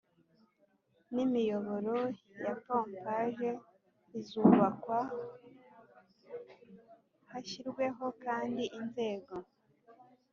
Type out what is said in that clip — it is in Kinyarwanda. N imiyoboro ya pompage izubakwa hashyizweho kandi inzego